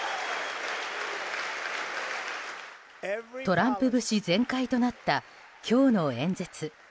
トランプ節全開となった今日の演説。